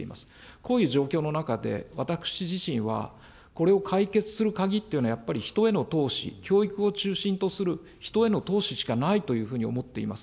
こういう状況の中で、私自身は、これを解決する鍵っていうのは、やっぱり人への投資、教育を中心とする人への投資しかないというふうに思っています。